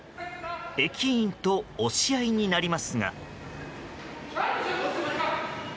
駅員と押し合いになりますが。